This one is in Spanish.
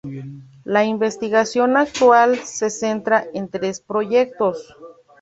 La investigación actual se centra en tres proyectos.